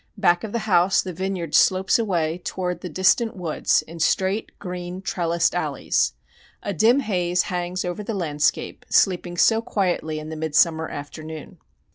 Back of the house the vineyard slopes away toward the distant woods in straight, green, trellised alleys. A dim haze hangs over the landscape sleeping so quietly in the midsummer afternoon.